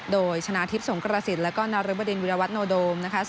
โดยชนะทิพย์สงครสิทธิ์และนรบดินวิรวัตนโดม